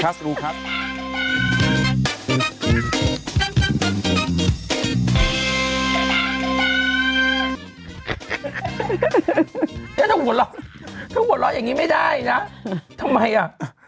ถ้าหัวเราะอย่างนี้ไม่ได้นะทำไมอะ